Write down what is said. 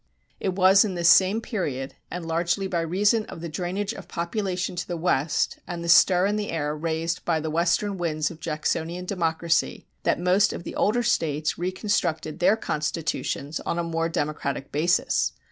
It was in this same period, and largely by reason of the drainage of population to the West, and the stir in the air raised by the Western winds of Jacksonian democracy, that most of the older States reconstructed their constitutions on a more democratic basis.